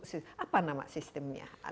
satu apa nama sistemnya